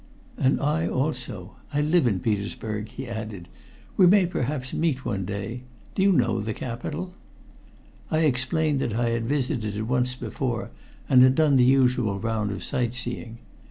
"And I also. I live in Petersburg," he added. "We may perhaps meet one day. Do you know the capital?" I explained that I had visited it once before, and had done the usual round of sight seeing.